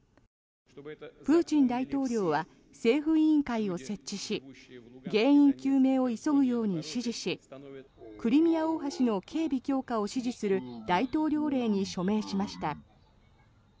プーチン大統領は政府委員会を設置し原因究明を急ぐように指示しクリミア大橋の警備強化を指示する大統領令に署名しました。